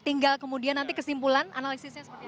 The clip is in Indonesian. tinggal kemudian nanti kesimpulan analisisnya seperti apa